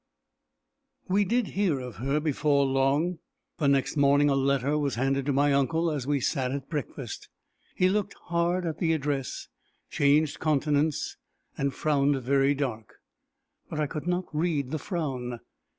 We did hear of her before long. The next morning a letter was handed to my uncle as we sat at breakfast. He looked hard at the address, changed countenance, and frowned very dark, but I could not read the frown.